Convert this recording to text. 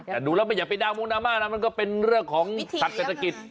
แต่ดูแล้วมันอย่าไปดาวมุนามานะมันก็เป็นเรื่องของศักดิ์เศรษฐกิจ